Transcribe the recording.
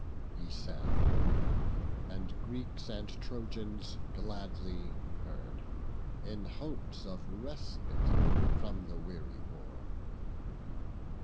He said, and Greeks and Trojans gladly heard, In hopes of respite from the weary war.